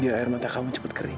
air mata kamu cepat kering